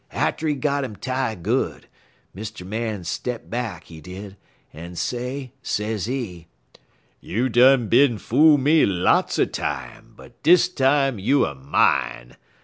Atter he got him tie good, Mr. Man step back, he did, en say, sezee: "'You done bin fool me lots er time, but dis time you er mine.